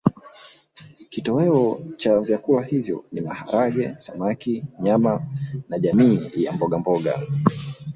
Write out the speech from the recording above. Kitoweo cha vyakula hivyo ni maharage samaki nyama na jamii ya mbogamboga